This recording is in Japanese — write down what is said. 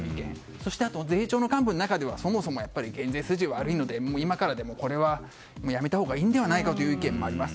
そして税調幹部の中では減税というのは今からでも、これはやめたほうがいいのではないかという意見もあります。